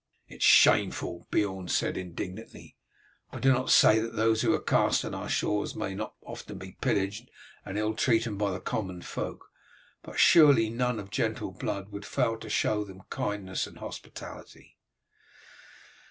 "It is shameful," Beorn said indignantly. "I do not say that those who are cast on our shores may not be often pillaged and ill treated by the common folk, but surely none of gentle blood would fail to show them kindness and hospitality."